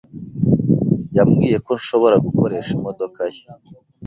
Yambwiye ko nshobora gukoresha imodoka ye.